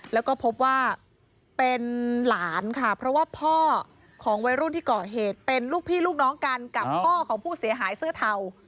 แล้วก็พบว่าเป็นหลานค่ะเพราะว่าพ่อของวัยรุ่นที่ก่อเหตุเป็นลูกพี่ลูกน้องกันกับพ่อของผู้เสียหายเสื้อเทา